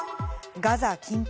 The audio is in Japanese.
ガザ緊迫。